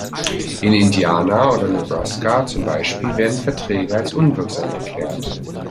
In Indiana oder Nebraska zum Beispiel werden Verträge als unwirksam erklärt.